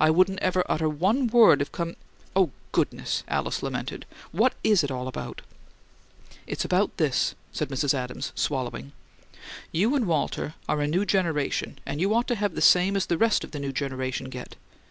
I wouldn't ever utter one word of com " "Oh, goodness!" Alice lamented. "What IS it all about?" "It's about this," said Mrs. Adams, swallowing. "You and Walter are a new generation and you ought to have the same as the rest of the new generation get.